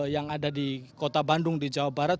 yang ada di kota bandung di jawa barat